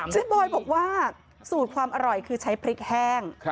บอยบอกว่าสูตรความอร่อยคือใช้พริกแห้ง